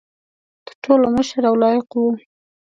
تر ټولو مشر او لایق وو.